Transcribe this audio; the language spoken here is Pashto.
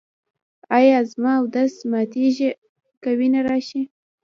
ایا زما اودس ماتیږي که وینه راشي؟